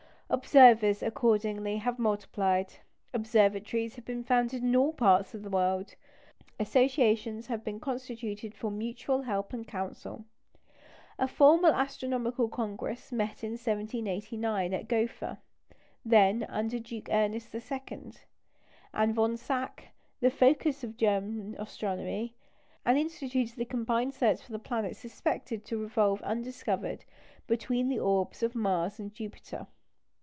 Observers, accordingly, have multiplied; observatories have been founded in all parts of the world; associations have been constituted for mutual help and counsel. A formal astronomical congress met in 1789 at Gotha then, under Duke Ernest II. and Von Zach, the focus of German astronomy and instituted a combined search for the planet suspected to revolve undiscovered between the orbits of Mars and Jupiter.